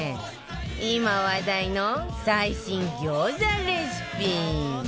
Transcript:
今話題の最新餃子レシピ